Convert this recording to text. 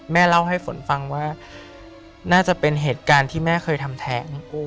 เล่าให้ฝนฟังว่าน่าจะเป็นเหตุการณ์ที่แม่เคยทำแท้ง